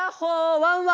ワンワーン！